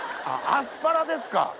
あっアスパラですか！